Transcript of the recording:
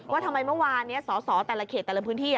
ว่าทำไมเมื่อวานนี้สอสอแต่ละเขตแต่ละพื้นที่